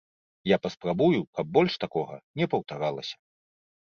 Я паспрабую, каб больш такога не паўтаралася.